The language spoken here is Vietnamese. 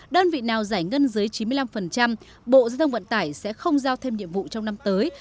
đơn vị nào giải ngân dưới chín mươi năm bộ giao thông vận tải sẽ không giao thêm nhiệm vụ trong năm tới